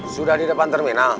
sudah di depan terminal